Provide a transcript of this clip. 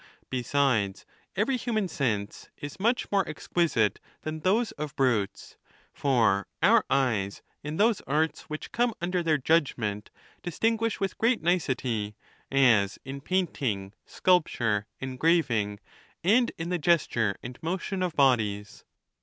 LVIII. Besides, every human sense is much more ex quisite than those of brutes; for our eyes, in those arts ■which come under their judgment, distinguish with great nicety ; as in painting, sculpture, engraving, and in the gesture and motion of bodies.